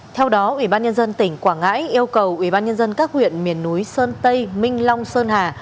theo đó ubnd tỉnh quảng ngãi yêu cầu ubnd các huyện miền núi sơn tây minh long sơn hà